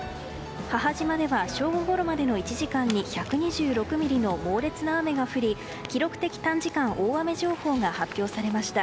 母島では正午ごろまでの１時間に１２６ミリの猛烈な雨が降り記録的短時間大雨情報が発表されました。